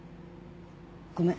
ごめん。